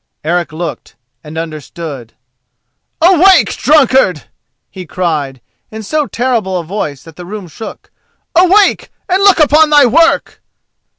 Eric looked and understood. "Awake, drunkard!" he cried, in so terrible a voice that the room shook. "Awake, and look upon thy work!"